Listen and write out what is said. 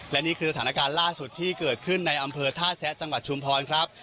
และนี่คือสถานการณ์ล่าสุดที่เกิดขึ้นในอำเภอท่าแซะจังหวัดชุมพรครับ